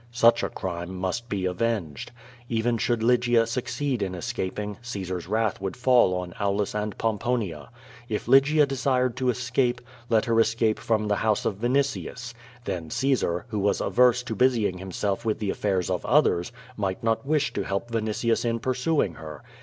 Such a crime must be avenged. Even should Lygia succeed in escaping, Caesar's wrath would fall on Au lus and Pomponia. If Lygia desired to escape, let her es cape from the house of Vinitius. Then Caesar, who was averse to busying himself with the affairs of others, might not wish to help Vinitius in pursuing her.